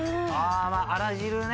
あら汁ね。